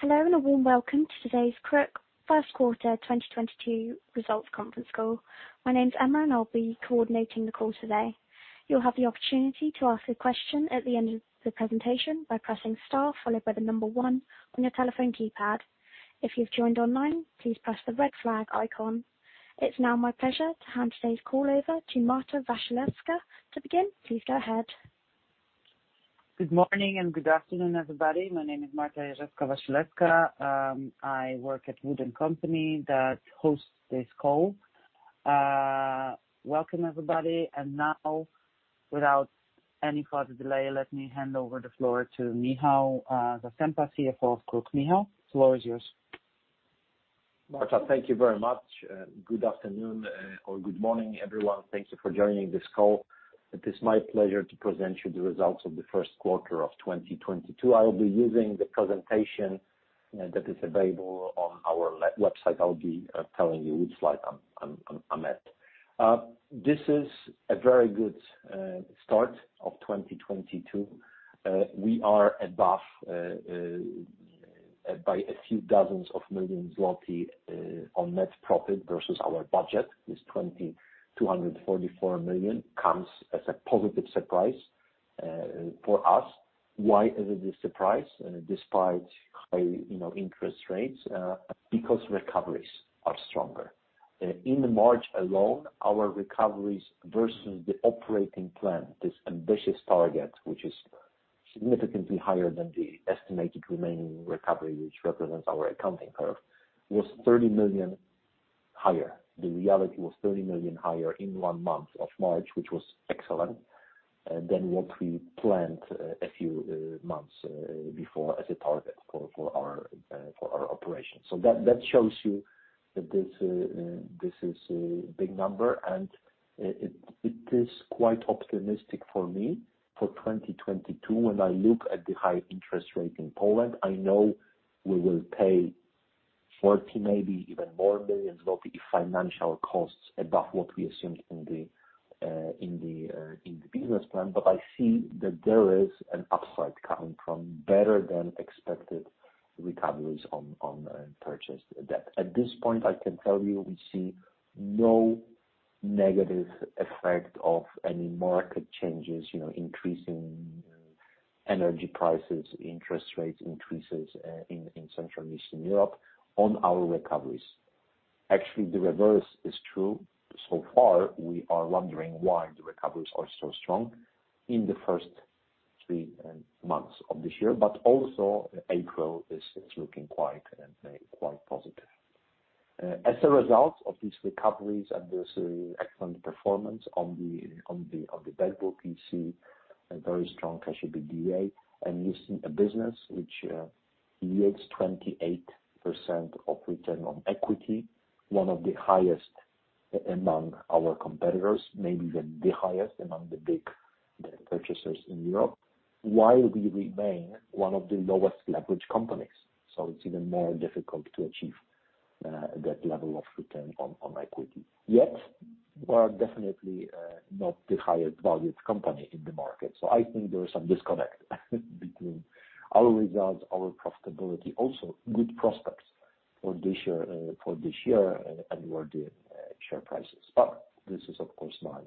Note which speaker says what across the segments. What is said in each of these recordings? Speaker 1: Hello, and a warm welcome to today's KRUK Q1 2022 Results Conference Call. My name's Emma, and I'll be coordinating the call today. You'll have the opportunity to ask a question at the end of the presentation by pressing star followed by the number one on your telephone keypad. If you've joined online, please press the red flag icon. It's now my pleasure to hand today's call over to Marta Wasilewska. To begin, please go ahead.
Speaker 2: Good morning and good afternoon, everybody. My name is Marta Wasilewska. I work at Wood & Company, that hosts this call. Welcome everybody, and now without any further delay, let me hand over the floor to Michał Zasępa, CFO of KRUK. Michał, the floor is yours.
Speaker 3: Marta, thank you very much. Good afternoon or good morning, everyone. Thank you for joining this call. It is my pleasure to present you the results of the Q1 of 2022. I will be using the presentation that is available on our website. I'll be telling you which slide I'm at. This is a very good start of 2022. We are above by a few dozen million PLN on net profit versus our budget. This 244 million PLN comes as a positive surprise for us. Why is it a surprise despite high, you know, interest rates? Because recoveries are stronger. In March alone, our recoveries versus the operating plan, this ambitious target, which is significantly higher than the estimated remaining recovery which represents our accounting curve, was 30 million higher. The reality was 30 million higher in one month of March, which was excellent, than what we planned a few months before as a target for our operations. That shows you that this is a big number and it is quite optimistic for me for 2022. When I look at the high interest rate in Poland, I know we will pay 40 million, maybe even more, in financial costs above what we assumed in the business plan. I see that there is an upside coming from better than expected recoveries on purchased debt. At this point, I can tell you we see no negative effect of any market changes, you know, increase in energy prices, interest rates increases, in Central and Eastern Europe on our recoveries. Actually, the reverse is true. Far, we are wondering why the recoveries are so strong in the first three months of this year. Also April is looking quite positive. As a result of these recoveries and this excellent performance on the debt book, you see a very strong Cash EBITDA and you see a business which yields 28% of return on equity, one of the highest among our competitors, maybe even the highest among the big purchasers in Europe, while we remain one of the lowest leverage companies. It's even more difficult to achieve that level of return on equity. Yet, we are definitely not the highest valued company in the market. I think there is some disconnect between our results, our profitability, also good prospects for this year, and where the share price is. This is of course my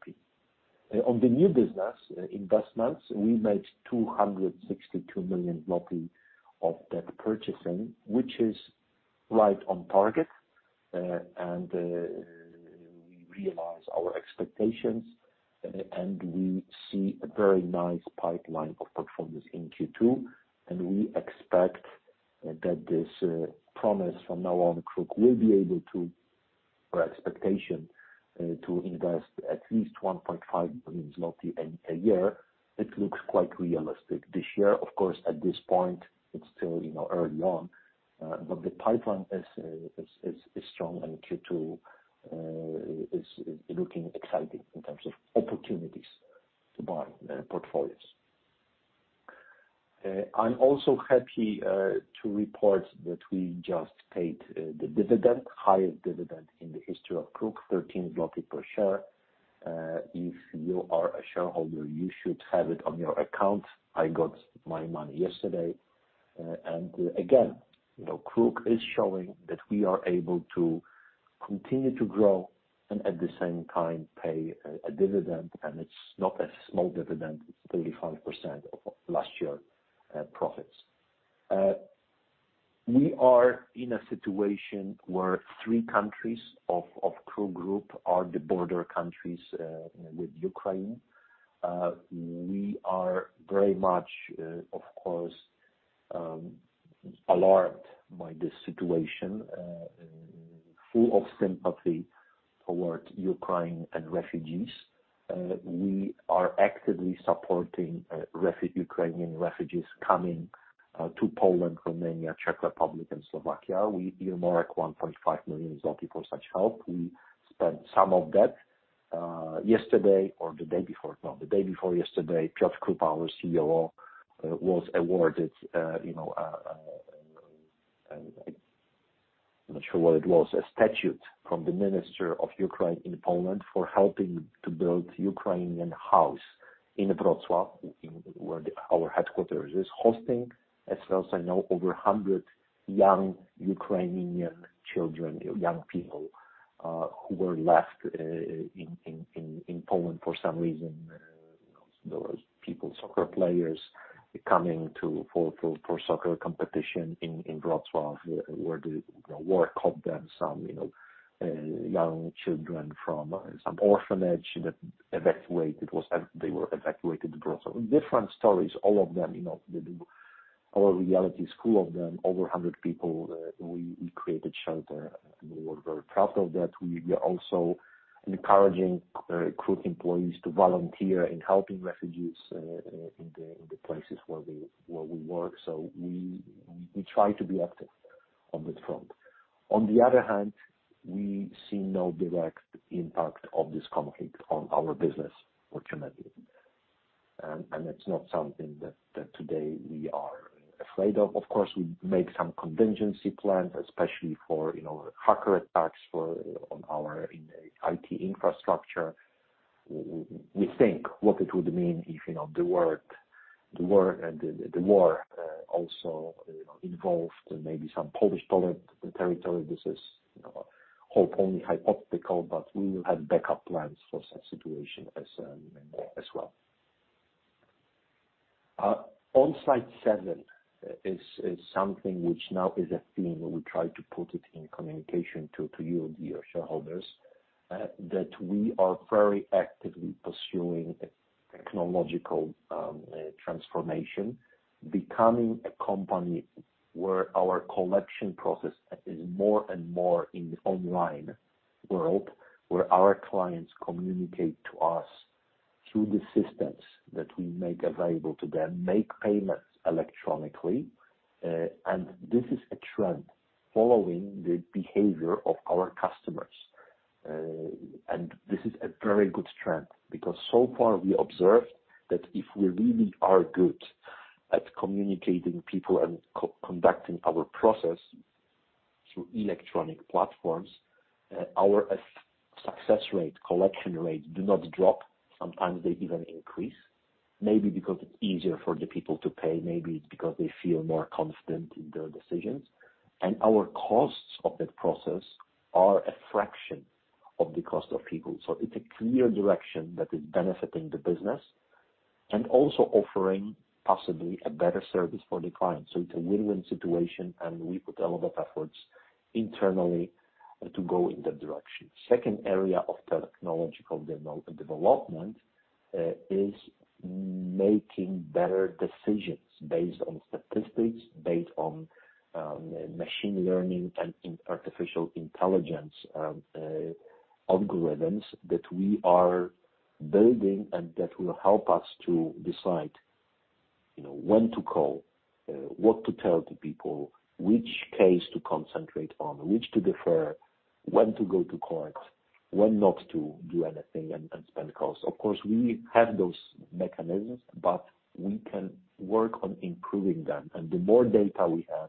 Speaker 3: opinion. On the new business investments, we made 262 million zloty of debt purchasing, which is right on target, and we realize our expectations, and we see a very nice pipeline of performance in Q2. We expect that this promise from now on, KRUK will be able to, or expectation, to invest at least 1.5 billion zloty a year. It looks quite realistic this year. Of course, at this point, it's still, you know, early on, but the pipeline is strong and Q2 is looking exciting in terms of opportunities to buy portfolios. I'm also happy to report that we just paid the dividend, highest dividend in the history of KRUK, 13 zloty per share. If you are a shareholder, you should have it on your account. I got my money yesterday. Again, you know, KRUK is showing that we are able to continue to grow and at the same time pay a dividend. It's not a small dividend, it's 35% of last year profits. We are in a situation where three countries of KRUK Group are the border countries with Ukraine. We are very much, of course, alarmed by this situation, full of sympathy towards Ukraine and refugees. We are actively supporting Ukrainian refugees coming to Poland, Romania, Czech Republic and Slovakia. We earmark 1.5 million zloty for such help. We spent some of that yesterday or the day before. No, the day before yesterday, Piotr Krupa, our COO, was awarded, you know, and I'm not sure what it was, a statuette from the minister of Ukraine in Poland for helping to build Ukrainian House in Wrocław, in where our headquarters is hosting, as far as I know, over 100 young Ukrainian children, young people who were left in Poland for some reason. Those people, soccer players coming for soccer competition in Wrocław, where the war caught them. Some young children from some orphanage. They were evacuated to Wrocław. Different stories, all of them, you know, our reality is full of them. Over a hundred people that we created shelter, and we were very proud of that. We are also encouraging KRUK employees to volunteer in helping refugees in the places where we work. We try to be active on that front. On the other hand, we see no direct impact of this conflict on our business, fortunately. It's not something that today we are afraid of. Of course, we make some contingency plans, especially for hacker attacks on our IT infrastructure. We think what it would mean if, you know, the world and the war also, you know, involved maybe some Polish territory. This is, you know, hopefully only hypothetical, but we will have backup plans for such situation as well. ESG is something which now is a theme, and we try to put it in communication to you, dear shareholders, that we are very actively pursuing a technological transformation, becoming a company where our collection process is more and more in the online world, where our clients communicate to us through the systems that we make available to them, make payments electronically. This is a trend following the behavior of our customers. This is a very good trend, because so far we observed that if we really are good at communicating with people and co-conducting our process through electronic platforms, our success rate, collection rate do not drop. Sometimes they even increase. Maybe because it's easier for the people to pay, maybe it's because they feel more confident in their decisions. Our costs of that process are a fraction of the cost of people. It's a clear direction that is benefiting the business and also offering possibly a better service for the client. It's a win-win situation, and we put a lot of efforts internally to go in that direction. Second area of technological development is making better decisions based on statistics, based on, machine learning and artificial intelligence, algorithms that we are building and that will help us to decide, you know, when to call, what to tell to people, which case to concentrate on, which to defer, when to go to court, when not to do anything and spend costs. Of course, we have those mechanisms, but we can work on improving them. The more data we have,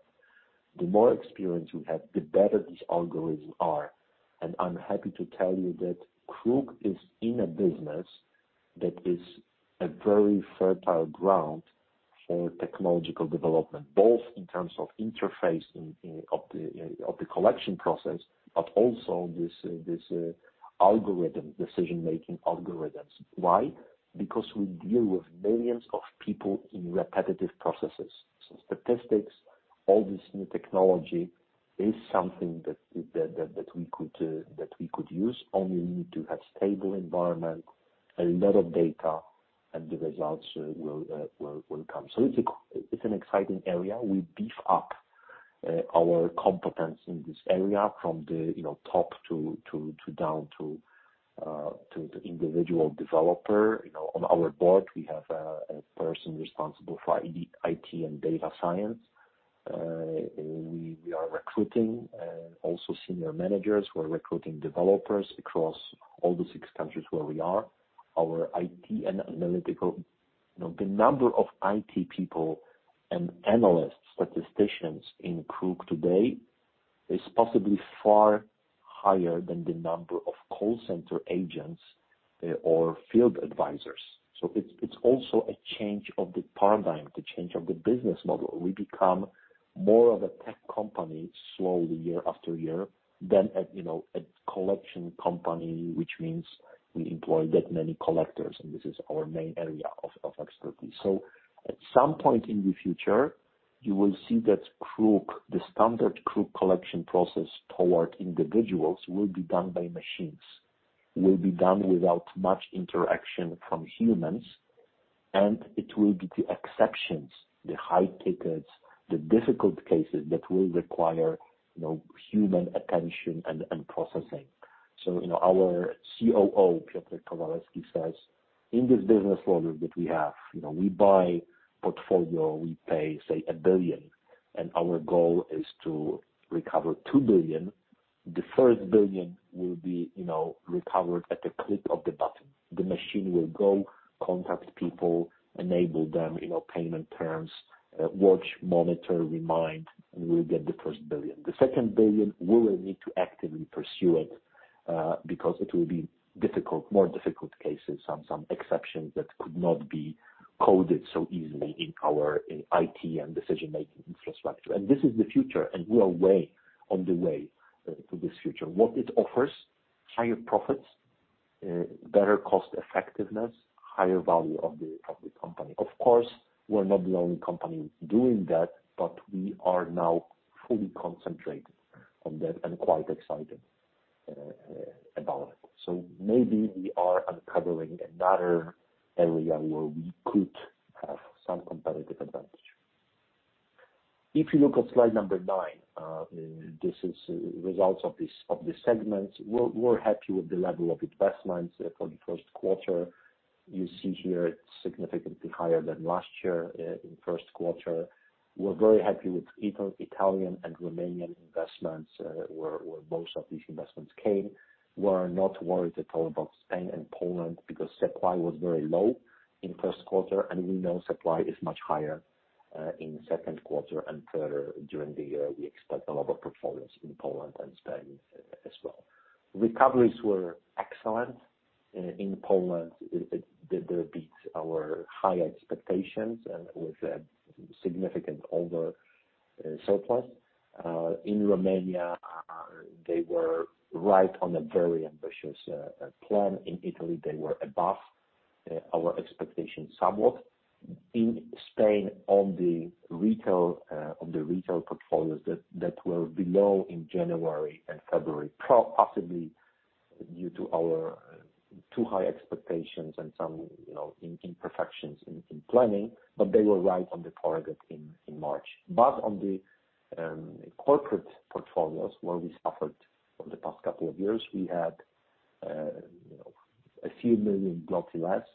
Speaker 3: the more experience we have, the better these algorithms are. I'm happy to tell you that KRUK is in a business that is a very fertile ground for technological development, both in terms of interface and of the collection process, but also this algorithm, decision-making algorithms. Why? Because we deal with millions of people in repetitive processes. Statistics, all this new technology is something that we could use, only we need to have stable environment, a lot of data, and the results will come. It's an exciting area. We beef up our competence in this area from the top to down to the individual developer. On our board, we have a person responsible for IT and data science. We are recruiting also senior managers. We're recruiting developers across all the six countries where we are. Our IT and analytical the number of IT people and analysts, statisticians in KRUK today is possibly far higher than the number of call center agents or field advisors. It's also a change of the paradigm, the change of the business model. We become more of a tech company slowly year after year than a, you know, a collection company, which means we employ that many collectors, and this is our main area of expertise. At some point in the future, you will see that KRUK, the standard KRUK collection process toward individuals will be done by machines, will be done without much interaction from humans, and it will be the exceptions, the high tickets, the difficult cases that will require, you know, human attention and processing. You know, our COO, Piotr Kowalewski, says, in this business model that we have, you know, we buy portfolio, we pay, say, 1 billion, and our goal is to recover 2 billion. The first 1 billion will be, you know, recovered at the click of the button. The machine will go contact people, enable them, you know, payment terms, watch, monitor, remind, and we'll get the first 1 billion. The second 1 billion, we will need to actively pursue it, because it will be difficult, more difficult cases, some exceptions that could not be coded so easily in our IT and decision-making infrastructure. This is the future, and we are well on the way to this future. What it offers, higher profits, better cost effectiveness, higher value of the company. Of course, we're not the only company doing that, but we are now fully concentrated on that and quite excited about it. Maybe we are uncovering another area where we could have some competitive advantage. If you look at Slide 9, this is results of this segment. We're happy with the level of investments for the Q1. You see here it's significantly higher than last year in Q1. We're very happy with Italian and Romanian investments, where most of these investments came. We're not worried at all about Spain and Poland because supply was very low in Q1, and we know supply is much higher in Q2. Further during the year, we expect a lot of performance in Poland and Spain as well. Recoveries were excellent in Poland. They beat our high expectations and with a significant surplus. In Romania, they were right on a very ambitious plan. In Italy, they were above our expectations somewhat. In Spain, on the retail portfolios that were below in January and February, possibly due to our too high expectations and some, you know, imperfections in planning, but they were right on the target in March. On the corporate portfolios, where we suffered for the past couple of years, we had, you know, a few million PLN less,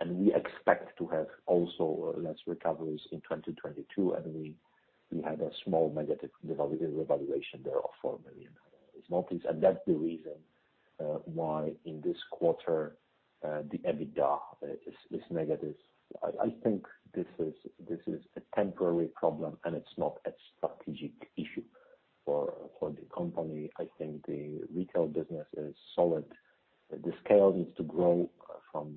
Speaker 3: and we expect to have also less recoveries in 2022. We had a small negative revaluation there of 4 million PLN. That's the reason why in this quarter the EBITDA is negative. I think this is a temporary problem, and it's not a strategic issue for the company. I think the retail business is solid. The scale needs to grow from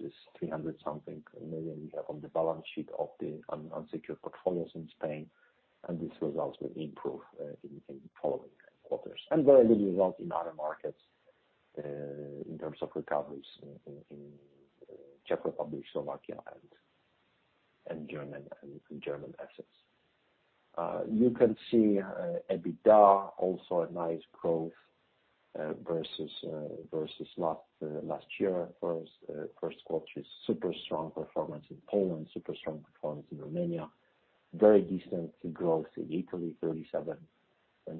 Speaker 3: this 300-something million we have on the balance sheet of the unsecured portfolios in Spain, and these results will improve in following quarters. Very good result in other markets in terms of recoveries in Czech Republic, Slovakia, and German assets. You can see EBITDA also a nice growth versus last year. Q1 is super strong performance in Poland, super strong performance in Romania, very decent growth in Italy, 37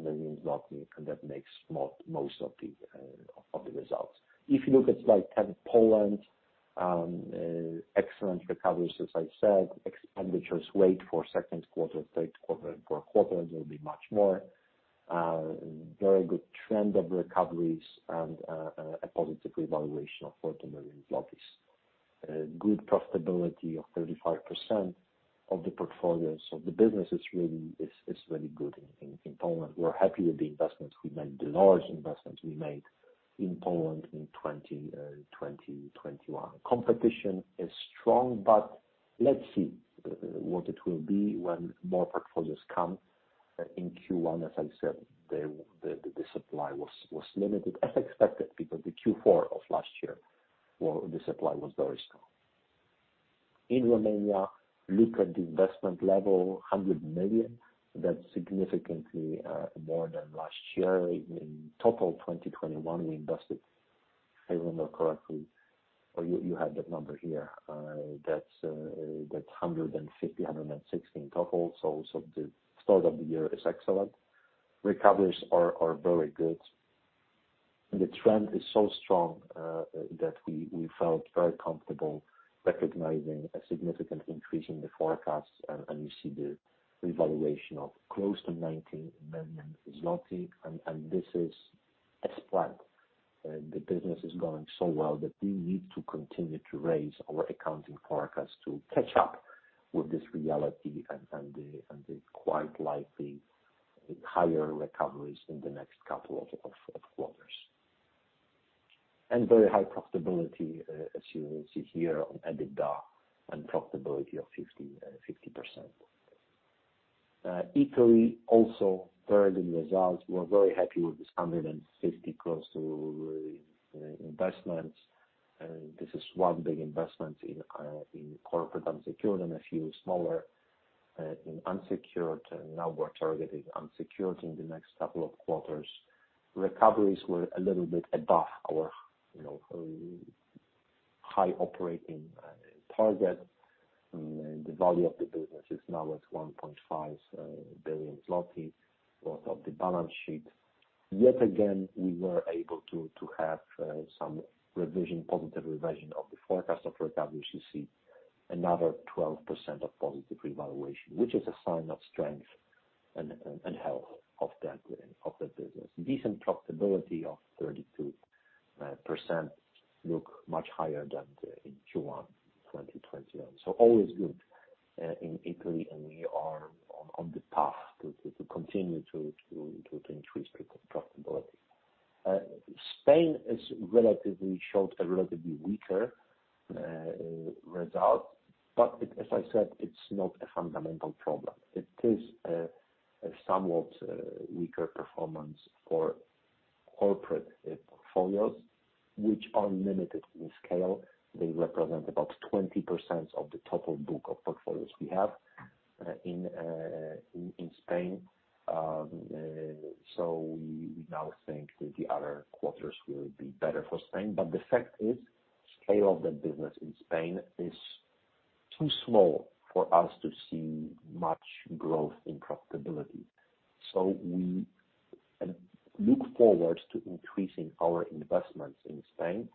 Speaker 3: million, and that means zloty, and that makes most of the results. If you look at Slide 10, Poland, excellent recoveries, as I said, expenditures wait for Q2, Q3, and Q4, there will be much more. Very good trend of recoveries and a positive revaluation of 40 million. Good profitability of 35% of the portfolios. The business is really good in Poland. We're happy with the investments we made, the large investments we made in Poland in 2021. Competition is strong, but let's see what it will be when more portfolios come in Q1. As I said, the supply was limited, as expected, because the Q4 of last year, the supply was very strong. In Romania, look at the investment level, 100 million. That's significantly more than last year. In total, 2021, we invested, if I remember correctly, or you have that number here, that's 116 million total. The start of the year is excellent. Recoveries are very good. The trend is so strong that we felt very comfortable recognizing a significant increase in the forecast, and you see the revaluation of close to 90 million zloty. This is as planned. The business is going so well that we need to continue to raise our accounting forecast to catch up with this reality and the quite likely higher recoveries in the next couple of quarters. Very high profitability, as you see here on EBITDA and profitability of 50%. Italy also very good results. We're very happy with this 160 gross investments. This is one big investment in corporate unsecured and a few smaller in unsecured. Now we're targeting unsecured in the next couple of quarters. Recoveries were a little bit above our, you know, high operating target. The value of the business is now at 1.5 billion zloty worth of the balance sheet. Yet again, we were able to have some revision, positive revision of the forecast of recovery to see another 12% of positive revaluation, which is a sign of strength and health of the business. Decent profitability of 32% looks much higher than in June 2020. Always good in Italy, and we are on the path to continue to increase the profitability. Spain is relatively showed a relatively weaker result. As I said, it's not a fundamental problem. It is a somewhat weaker performance for corporate portfolios which are limited in scale. They represent about 20% of the total book of portfolios we have in Spain. We now think that the other quarters will be better for Spain. The fact is, scale of the business in Spain is too small for us to see much growth in profitability. We look forward to increasing our investments in Spain,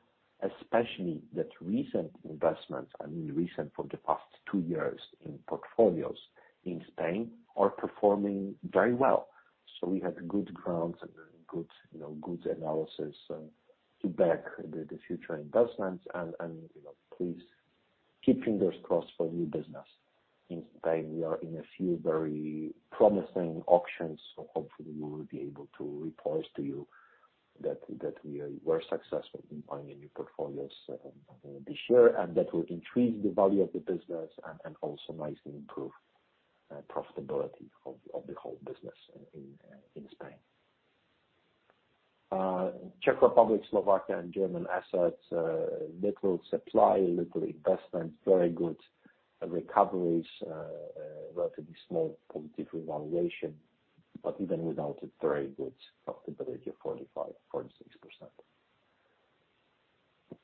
Speaker 3: especially that recent investments, I mean recent for the past two years in portfolios in Spain, are performing very well. We have good grounds and good, you know, good analysis to back the future investments and, you know, please keep fingers crossed for new business. In Spain, we are in a few very promising auctions, so hopefully we will be able to report to you that we were successful in buying new portfolios this year. That will increase the value of the business and also nicely improve profitability of the whole business in Spain. Czech Republic, Slovakia and German assets, little supply, little investment, very good recoveries, relatively small positive evaluation, but even without a very good profitability of 45%-46%.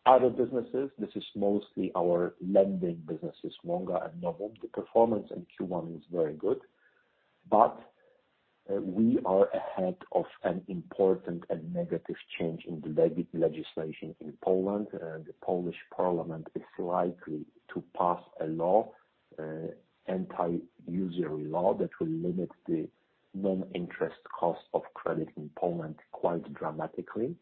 Speaker 3: Other businesses, this is mostly our lending businesses, Wonga and Novum. The performance in Q1 was very good, but we are ahead of an important and negative change in the legislation in Poland. The Polish parliament is likely to pass a law, anti-usury law that will limit the non-interest cost of credit in Poland quite dramatically.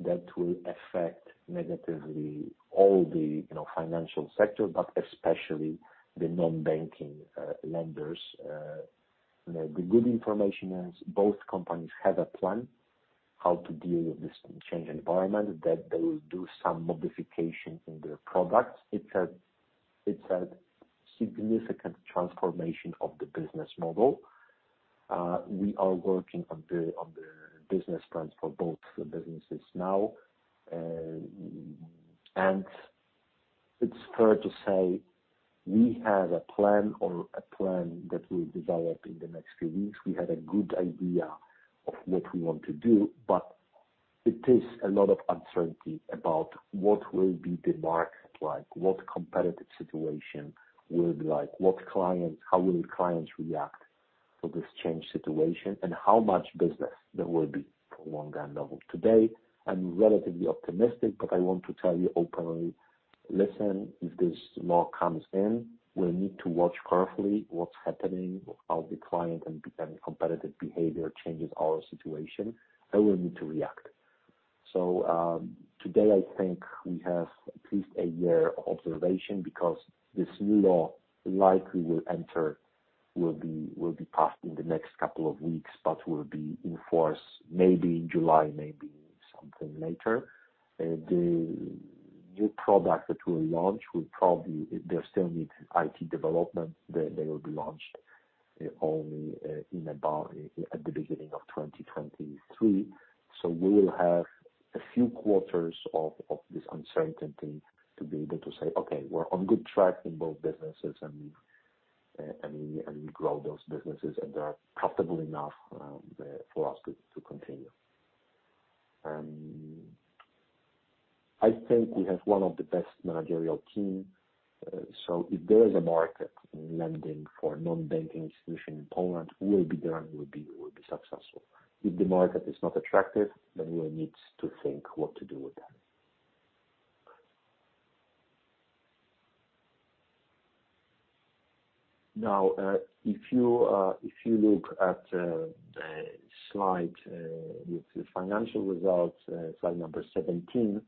Speaker 3: That will affect negatively all the, you know, financial sector, but especially the non-banking lenders. The good information is both companies have a plan how to deal with this changing environment, that they will do some modifications in their products. It's a significant transformation of the business model. We are working on the business plans for both businesses now. It's fair to say we have a plan that we'll develop in the next few weeks. We have a good idea of what we want to do, but it is a lot of uncertainty about what will be the market like, what competitive situation will be like, how will clients react to this changed situation, and how much business there will be for Wonga and Novum. Today, I'm relatively optimistic, but I want to tell you openly, listen, if this law comes in, we'll need to watch carefully what's happening, how the client and competitive behavior changes our situation, and we'll need to react. Today, I think we have at least a year observation because this new law likely will be passed in the next couple of weeks, but will be in force maybe in July, maybe something later. The new product that we'll launch will probably, they still need IT development. They will be launched only at the beginning of 2023. We will have a few quarters of this uncertainty to be able to say, "Okay, we're on good track in both businesses, and we grow those businesses, and they're profitable enough for us to continue." I think we have one of the best managerial team. If there is a market in lending for non-banking solution in Poland, we'll be there and we'll be successful. If the market is not attractive, then we'll need to think what to do with that. Now, if you look at slide with the financial results, Slide 17,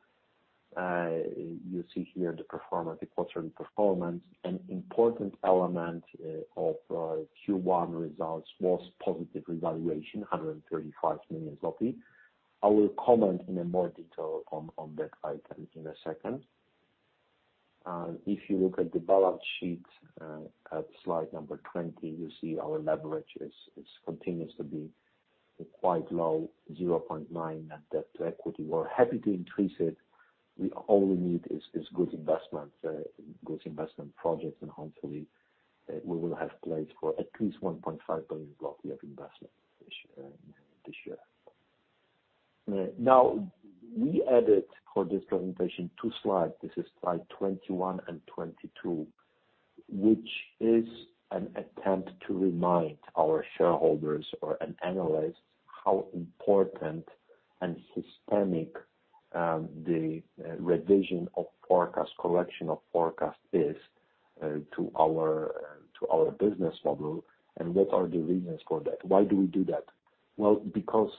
Speaker 3: you see here the performance, the quarterly performance. An important element of Q1 results was positive revaluation, 135 million. I will comment in more detail on that item in a second. If you look at the balance sheet at Slide 20, you see our leverage continues to be quite low, 0.9 debt to equity. We're happy to increase it. All we need is good investment projects, and hopefully we will have place for at least 1.5 billion of investment this year. Now we added for this presentation two slides. This is Slide 21 and 22. This is an attempt to remind our shareholders and analysts how important and systemic the revision of forecast collection forecast is to our business model, and what are the reasons for that. Why do we do that? Because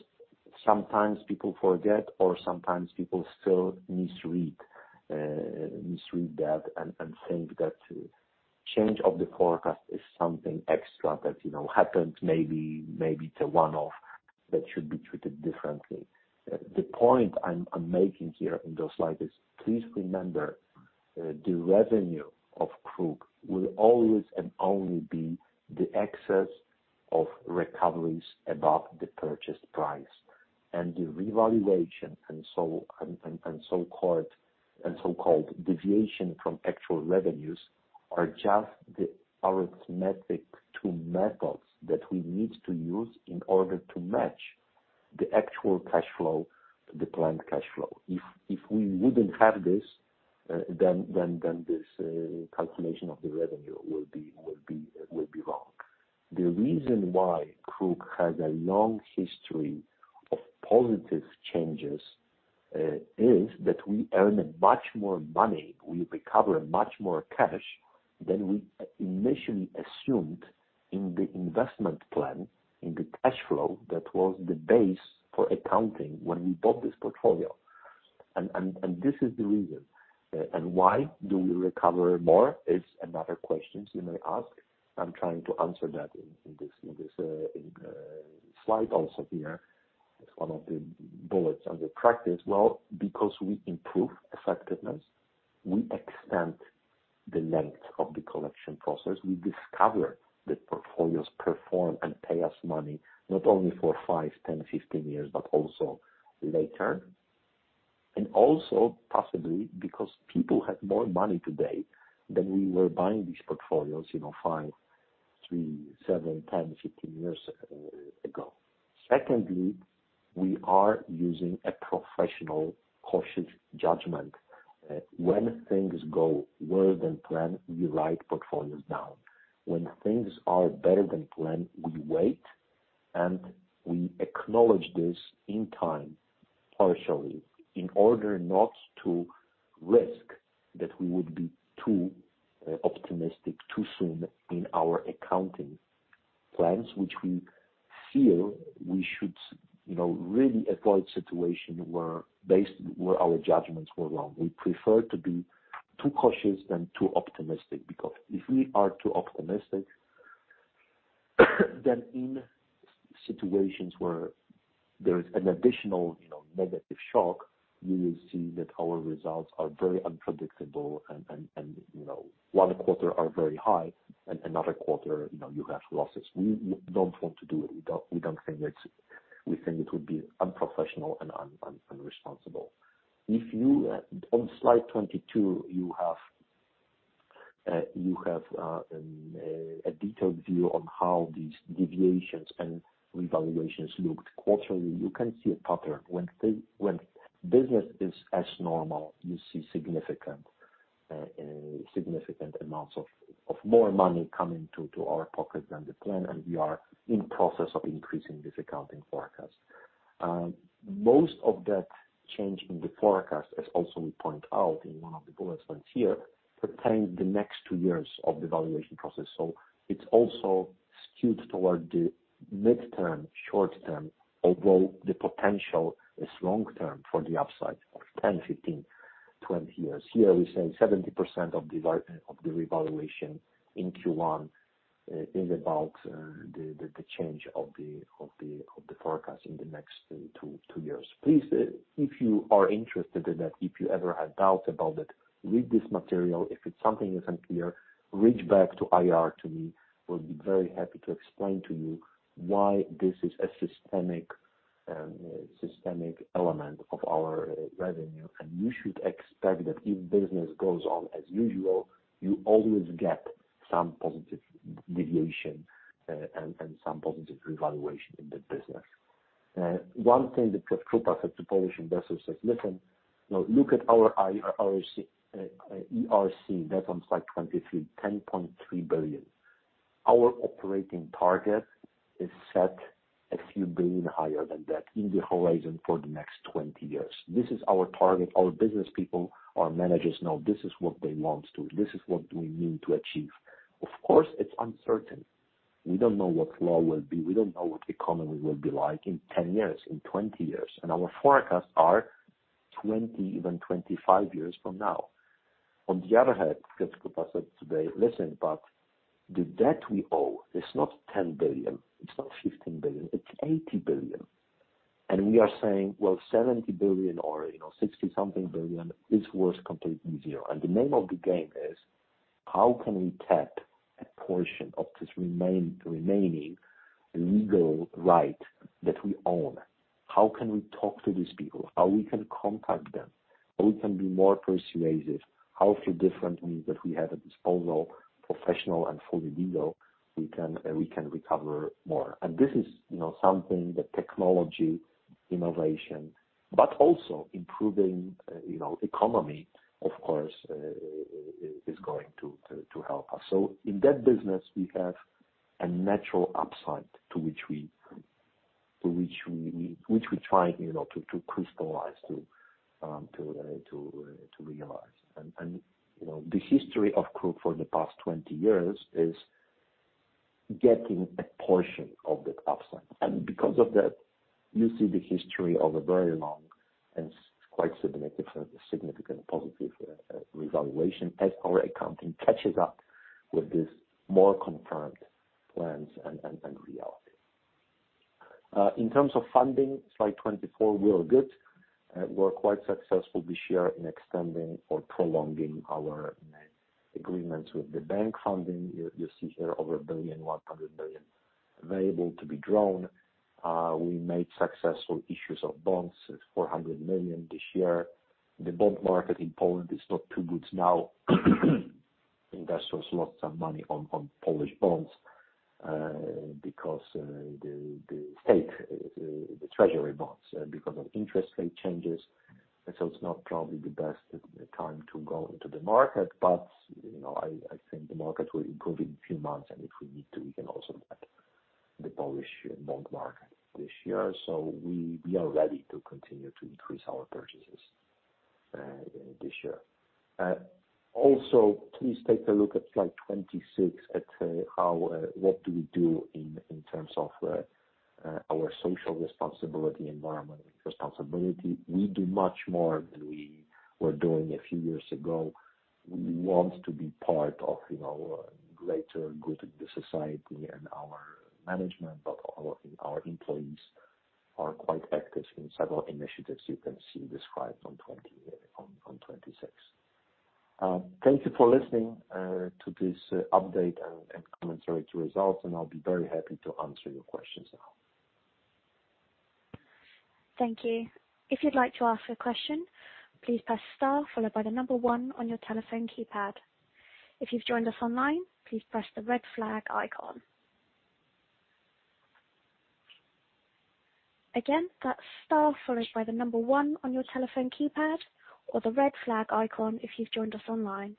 Speaker 3: sometimes people forget or sometimes people still misread that and think that change of the forecast is something extra that, you know, happens maybe it's a one-off that should be treated differently. The point I'm making here in this slide is please remember the revenue of KRUK will always and only be the excess of recoveries above the purchase price. The revaluation and so-called deviation from actual revenues are just the arithmetic, two methods that we need to use in order to match the actual cash flow to the planned cash flow. If we wouldn't have this then this calculation of the revenue will be wrong. The reason why KRUK has a long history of positive changes is that we earn much more money. We recover much more cash than we initially assumed in the investment plan, in the cash flow that was the base for accounting when we bought this portfolio. This is the reason. Why do we recover more is another question you may ask. I'm trying to answer that in this slide also here as one of the bullets under practice. Well, because we improve effectiveness, we extend the length of the collection process. We discover that portfolios perform and pay us money not only for 5, 10, 15 years, but also later. Also possibly because people have more money today than we were buying these portfolios, you know, 5, 3, 7, 10, 15 years ago. Secondly, we are using a professional cautious judgment. When things go worse than planned, we write portfolios down. When things are better than planned, we wait, and we acknowledge this in time, partially, in order not to risk that we would be too optimistic too soon in our accounting plans, which we feel we should, you know, really avoid situation where our judgments were wrong. We prefer to be too cautious than too optimistic, because if we are too optimistic, then in situations where there is an additional, you know, negative shock, you will see that our results are very unpredictable and, you know, one quarter are very high and another quarter, you know, you have losses. We don't want to do it. We don't think it's unprofessional and irresponsible. If you on Slide 22, you have a detailed view on how these deviations and revaluations looked quarterly. You can see a pattern. When business is as normal, you see significant amounts of more money coming to our pocket than the plan, and we are in process of increasing this accounting forecast. Most of that change in the forecast, as also we point out in one of the bullets on here, pertain to the next two years of the valuation process. It's also skewed toward the midterm, short-term, although the potential is long-term for the upside of 10, 15, 20 years. Here we say 70% of the revaluation in Q1 is about the change of the forecast in the next two years. Please, if you are interested in that, if you ever have doubts about it, read this material. If it's something that's unclear, reach back to IR, to me. We'll be very happy to explain to you why this is a systemic element of our revenue. You should expect that if business goes on as usual, you always get some positive deviation and some positive revaluation in that business. One thing that Piotr Krupa said to Polish investors says, "Listen, you know, look at our ERC," that's on Slide 23, 10.3 billion. Our operating target is set a few billion PLN higher than that in the horizon for the next 20 years. This is our target. Our business people, our managers know this is what they want to, this is what we mean to achieve. Of course, it's uncertain. We don't know what law will be. We don't know what the economy will be like in 10 years, in 20 years, and our forecasts are 20, even 25 years from now. On the other hand, Piotr Krupa said today, "Listen, but the debt we own is not 10 billion, it's not 15 billion, it's 80 billion." We are saying, well, 70 billion or, you know, 60-something billion PLN is worth completely zero. The name of the game is how can we tap a portion of this remaining legal right that we own? How can we talk to these people? How we can contact them? How we can be more persuasive? How through different means that we have at disposal, professional and fully legal, we can recover more? This is, you know, something that technology innovation, but also improving, you know, economy, of course, is going to help us. In that business, we have a natural upside to which we try, you know, to crystallize to realize. You know, the history of group for the past 20 years is getting a portion of that upside. Because of that, you see the history of a very long and quite significant positive revaluation as our accounting catches up with this more confirmed plans and reality. In terms of funding, Slide 24, we are good. We're quite successful this year in extending or prolonging our new agreements with the bank funding. You see here over 1 billion, 100 million available to be drawn. We made successful issues of bonds, 400 million this year. The bond market in Poland is not too good now. Investors lost some money on Polish bonds because the state treasury bonds because of interest rate changes. It's not probably the best time to go into the market. You know, I think the market will improve in few months, and if we need to, we can also tap the Polish bond market this year. We are ready to continue to increase our purchases this year. Also please take a look at Slide 26 at how what we do in terms of our social responsibility, environmental responsibility. We do much more than we were doing a few years ago. We want to be part of, you know, greater good of the society and our management, but our employees are quite active in several initiatives you can see described on 26. Thank you for listening to this update and commentary to results, and I'll be very happy to answer your questions now.
Speaker 1: Thank you. If you'd like to ask a question, please press star followed by the number one on your telephone keypad. If you've joined us online, please press the red flag icon. Again, that's star followed by the number one on your telephone keypad or the red flag icon if you've joined us online.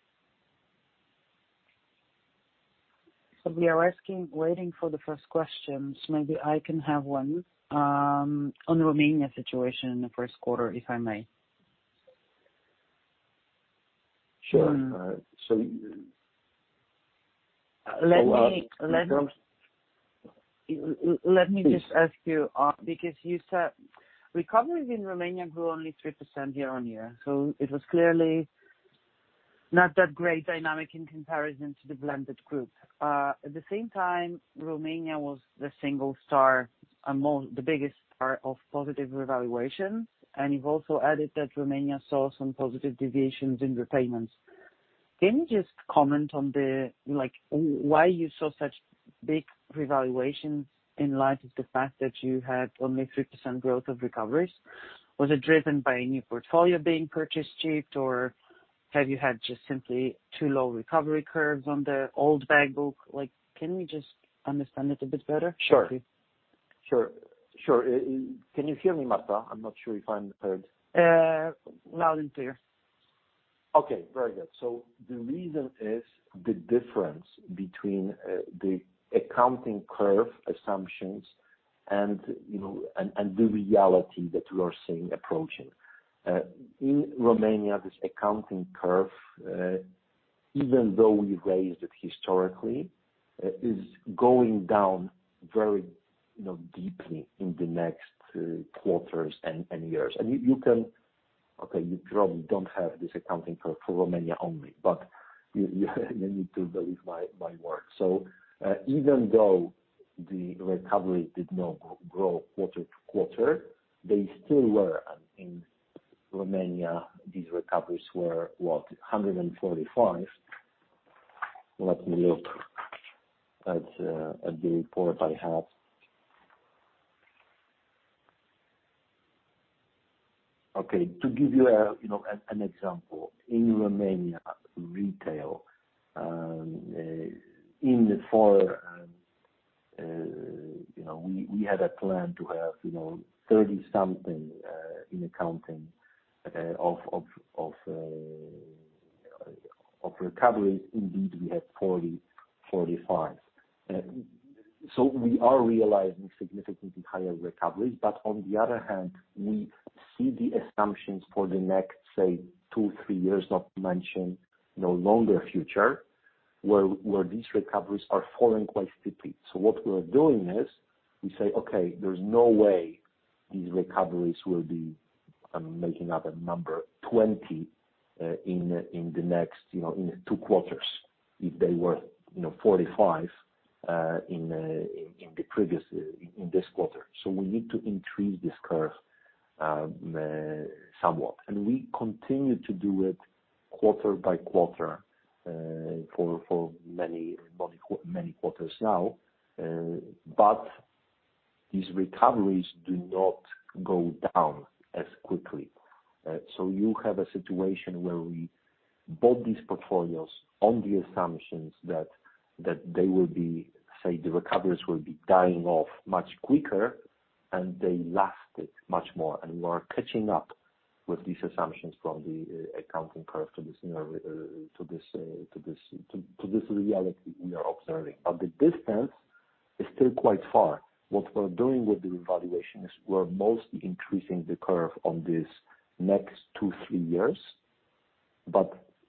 Speaker 2: We are asking, waiting for the first questions. Maybe I can have one, on Romania situation in the Q1, if I may.
Speaker 3: Sure.
Speaker 2: Let me-
Speaker 3: Go out-
Speaker 2: Let me-
Speaker 3: Please.
Speaker 2: Let me just ask you, because you said recoveries in Romania grew only 3% year-on-year, so it was clearly not that great dynamic in comparison to the blended group. At the same time, Romania was the single star among the biggest are of positive revaluations. You've also added that Romania saw some positive deviations in repayments. Can you just comment on the, like, why you saw such big revaluations in light of the fact that you had only 3% growth of recoveries? Was it driven by a new portfolio being purchased cheap, or have you had just simply too low recovery curves on the old bank book? Like, can we just understand it a bit better?
Speaker 3: Sure.
Speaker 2: Thank you.
Speaker 3: Sure. Can you hear me, Marta? I'm not sure if I'm heard.
Speaker 2: Loud and clear.
Speaker 3: Okay, very good. The reason is the difference between the accounting curve assumptions and, you know, the reality that we are seeing approaching. In Romania, this accounting curve, even though we raised it historically, is going down very, you know, deeply in the next quarters and years. You probably don't have this accounting curve for Romania only, but you need to believe my word. Even though the recovery did not grow quarter to quarter, they still were in Romania, these recoveries were, what, 145. Let me look at the report I have. Okay. To give you know, an example in Romanian retail, you know, we had a plan to have, you know, 30-something in accounting of recoveries. Indeed, we had 45. We are realizing significantly higher recoveries. On the other hand, we see the assumptions for the next, say, two, three years, not to mention longer future, where these recoveries are falling quite steeply. What we're doing is we say, "Okay, there's no way these recoveries will be. I'm making up a number, 20 in the next, you know, two quarters if they were, you know, 45 in this quarter." We need to increase this curve somewhat. We continue to do it quarter by quarter, for many quarters now. These recoveries do not go down as quickly. So you have a situation where we bought these portfolios on the assumptions that they will be, say, the recoveries will be dying off much quicker and they lasted much more. We are catching up with these assumptions from the accounting curve to this reality we are observing. The distance is still quite far. What we're doing with the revaluation is we're mostly increasing the curve on this next two, three years.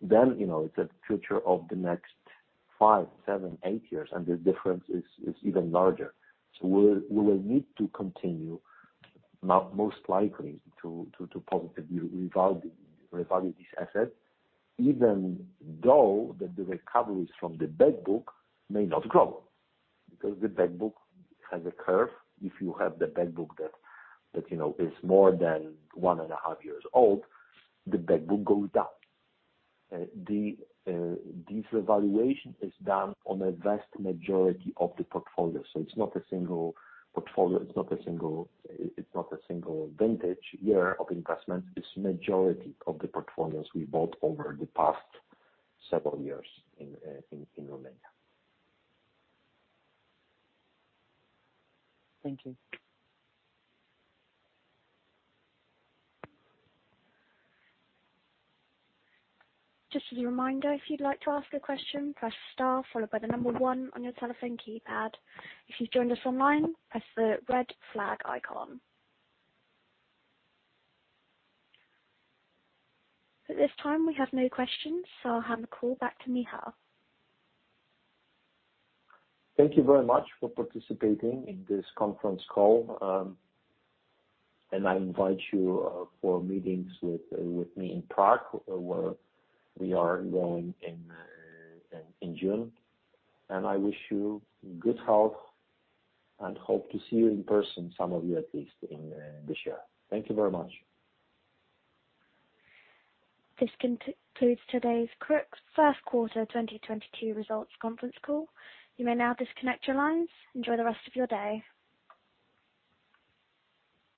Speaker 3: Then, you know, it's the future of the next five, seven, eight years, and the difference is even larger. We will need to continue, most likely to positively revalue this asset, even though the recoveries from the bad book may not grow. Because the bad book has a curve. If you have the bad book that you know is more than one and a half years old, the bad book goes down. This revaluation is done on a vast majority of the portfolio. It's not a single portfolio, it's not a single vintage year of investment. It's majority of the portfolios we bought over the past several years in Romania.
Speaker 2: Thank you.
Speaker 1: Just as a reminder, if you'd like to ask a question, press star followed by the number one on your telephone keypad. If you've joined us online, press the red flag icon. At this time, we have no questions, so I'll hand the call back to Michał.
Speaker 3: Thank you very much for participating in this conference call. I invite you for meetings with me in Prague, where we are going in June. I wish you good health and hope to see you in person, some of you at least, in this year. Thank you very much.
Speaker 1: This concludes today's KRUK Q1 2022 results conference call. You may now disconnect your lines. Enjoy the rest of your day.